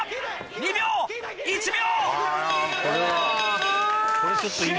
２秒１秒。